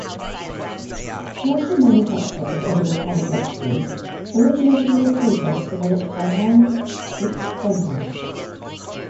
Commercial manufacture of edible polydextrose originated with a process developed by Hans H. Rennhard.